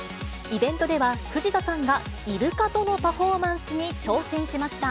イベントでは、藤田さんがイルカとのパフォーマンスに挑戦しました。